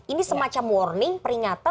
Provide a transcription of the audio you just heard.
ini semacam warning peringatan